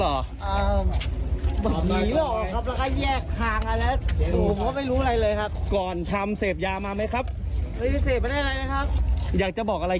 แล้วน้องเบียนโนอยู่ในสภาพดินเปื้อนหน้าได้อย่างไรคะเราจำได้ไหม